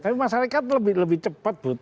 tapi masyarakat lebih cepat but